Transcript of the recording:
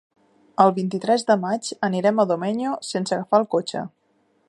El vint-i-tres de maig anirem a Domenyo sense agafar el cotxe.